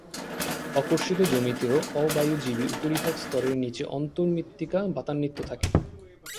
অকর্ষিত জমিতেও অবায়ুজীবী উপরিভাগ স্তরের নিচে অন্তর্মৃত্তিকা বাতান্বিত থাকে।